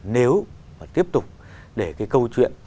nếu mà tiếp tục để cái câu chuyện